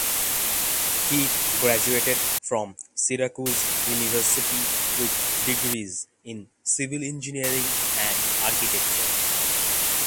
He graduated from Syracuse University with degrees in civil engineering and architecture.